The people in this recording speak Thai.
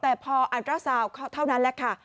แต่พออันตราซาวน์เท่านั้นแหละค่ะ